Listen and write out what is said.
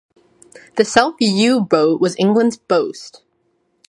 The self-yew bow was England's boast.